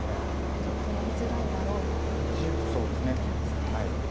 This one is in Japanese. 「ちょっとやりづらいだろう」と言ってるんですね。